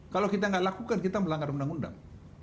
kalau kita nggak lakukan kita melanggar undang undang